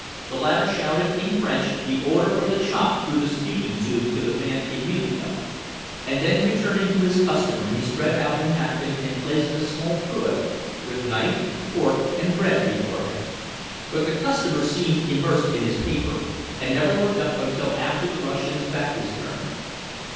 The latter shouted in French the order for the chop through the speaking tube to the man Emilio, and then returning to his customer he spread out a napkin and placed a small cruet, with knife, fork, and bread before him. But the customer seemed immersed in his paper, and never looked up until after the Russian's back was turned.